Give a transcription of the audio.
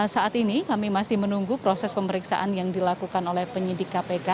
saat ini kami masih menunggu proses pemeriksaan yang dilakukan oleh penyidik kpk